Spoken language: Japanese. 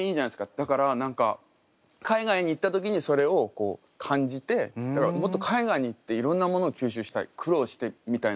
だから何か海外に行った時にそれをこう感じてだからもっと海外に行っていろんなものを吸収したい苦労してみたいな。